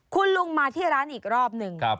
คุณลุงมาที่ร้านอีกรอบหนึ่ง